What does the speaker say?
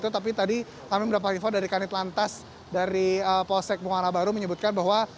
tapi tadi kami mendapat info dari kanit lantas dari polsek muara baru menyebutkan bahwa